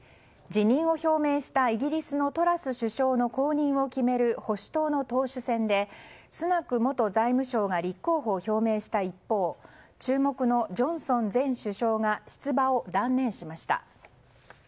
辞任を表明したイギリスのトラス首相の後任を決める保守党の党首選でスナク元財務相が立候補を表明した一方注目のジョンソン前首相が出馬を断念しました。